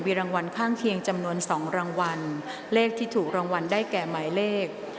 รางวัลข้างเคียงจำนวน๒รางวัลเลขที่ถูกรางวัลได้แก่หมายเลข